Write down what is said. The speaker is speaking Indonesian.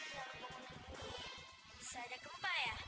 saya sudah keempat ya